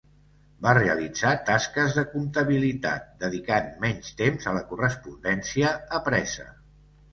Va realitzar tasques de comptabilitat, dedicant menys temps a la correspondència apresa.